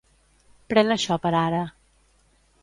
Pren això per ara.